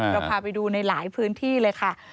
เราพาไปดูในหลายพื้นที่เลยค่ะ